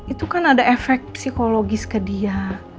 itu kan ada efek psikologis ke dia